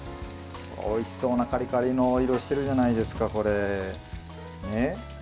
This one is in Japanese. おいしそうなカリカリの色しているじゃないですか。